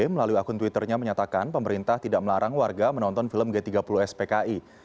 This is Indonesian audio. melalui akun twitternya menyatakan pemerintah tidak melarang warga menonton film g tiga puluh spki